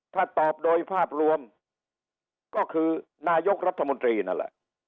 ถ้าตอบโดยภาพรวมก็คือนายกรัฐมนตรีนั่นแหละ